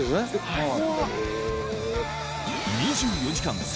はい。